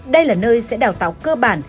đây là nơi sẽ đào tạo cơ bản